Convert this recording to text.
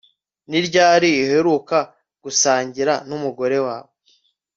Ni ryari uheruka gusangira numugore wawe